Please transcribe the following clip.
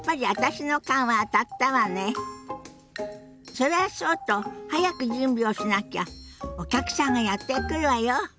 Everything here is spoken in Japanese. それはそうと早く準備をしなきゃお客さんがやって来るわよ。